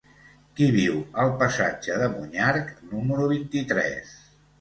Qui viu al passatge de Monyarc número vint-i-tres?